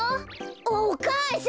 お母さん！